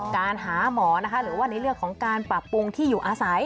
การหาหมอนะคะหรือว่าในเรื่องของการปรับปรุงที่อยู่อาศัย